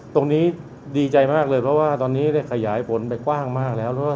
ตรงนี้ดีใจมากเลยเพราะว่าตอนนี้ได้ขยายผลไปกว้างมากแล้ว